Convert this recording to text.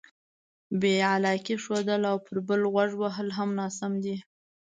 بې علاقې ښودل او پر بل غوږ وهل هم ناسم دي.